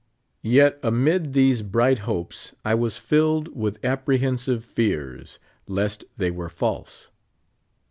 Yet amid these bright hopes I was filled with apprehensive fears, lest they were false.